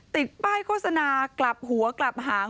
ติดป้ายโฆษณากลับหัวกลับหาง